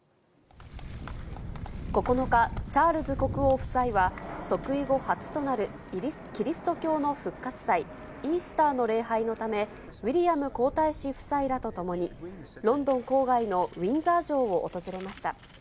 ９日、チャールズ国王夫妻は、即位後初となるキリスト教の復活祭、イースターの礼拝のため、ウィリアム皇太子夫妻らと共に、ロンドン郊外のウィンザー城を訪れました。